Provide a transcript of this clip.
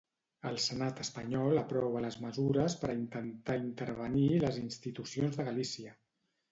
El senat espanyol aprova les mesures per a intentar intervenir les institucions de Galícia.